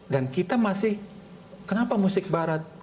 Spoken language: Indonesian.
dan kita masih kenapa musik barat